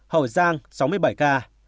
hậu giang sáu mươi bảy ca